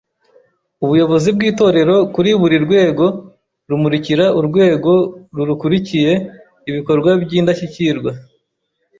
Ubuyobozi bw’Itorero kuri buri rwego rumurikira urwegorurukuriye ibikorwa by’indshyikirwa